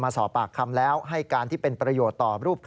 มาสอบปากคำแล้วให้การที่เป็นประโยชน์ต่อ